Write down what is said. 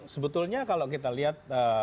sebetulnya kalau kita lihat